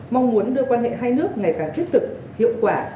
mong muốn đưa quan hệ hai nước ngày càng thiết thực hiệu quả